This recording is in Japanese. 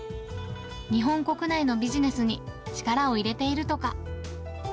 日本国内のビジネスに力を入れているとか。